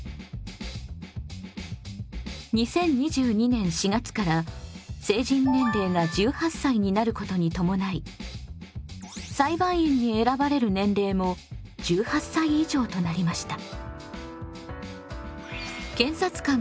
２０２２年４月から成人年齢が１８歳になることに伴い裁判員に選ばれる年齢も１８歳以上となりました。